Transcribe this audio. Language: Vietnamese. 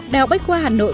đại học bách khoa hà nội